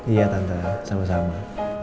iya tante sama sama